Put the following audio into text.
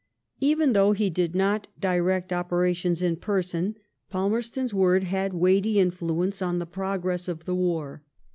Even though he did not direct operations in person, Palmerston's word had weighty influence on the progress of the war.